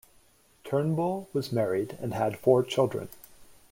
Turnbull was married and had four children.